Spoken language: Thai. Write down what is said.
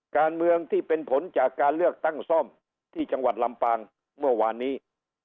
การเมืองที่เป็นผลจากการเลือกตั้งซ่อมที่จังหวัดลำปางเมื่อวานนี้